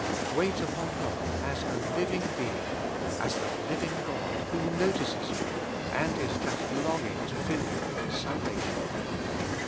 Wait upon God as a Living Being, as the Living God, who notices you, and is just longing to fill you with His salvation.